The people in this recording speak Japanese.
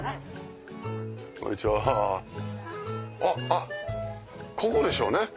あっここでしょうね